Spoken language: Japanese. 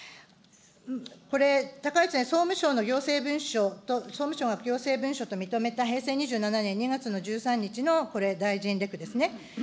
これ、高市大臣、総務省の行政文書と総務省が行政文書と認めた平成２７年２月の１３日の大臣レクですね。